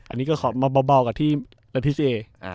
อันนี้ก็ขอมาเบากับที่พิษเอ